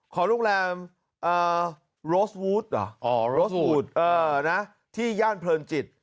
ขอโรงแรมเอ่อโรสวูดอ่ะอ๋อโรสวูดเอ่อน่ะที่ย่านเพลินจิต